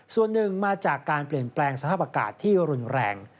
ส่วนหนึ่งมาจากการเปลี่ยนแปลงสภาพอากาศที่รุนแรง